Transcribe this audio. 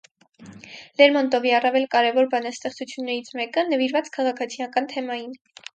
Լերմոնտովի առավել կարևոր բանաստեղծություններից մեկը՝ նվիրված քաղաքացիական թեմային։